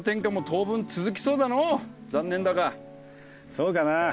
そうかなあ。